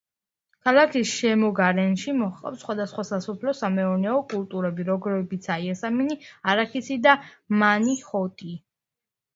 ქალაქის შემოგარენში მოჰყავთ სხვადასხვა სასოფლო-სამეურნეო კულტურები, როგორებიცაა: იამსი, არაქისი და მანიჰოტი.